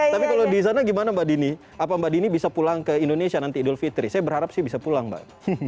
tapi kalau di sana gimana mbak dini apa mbak dini bisa pulang ke indonesia nanti idul fitri saya berharap sih bisa pulang mbak